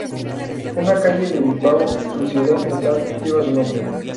Una calle de Bilbao, su ciudad natal, lleva su nombre.